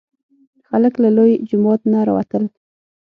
خلک له لوی جومات نه راوتل.